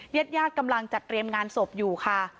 เย็ดยากกำลังจัดเตรียมงานศพอยู่ค่ะ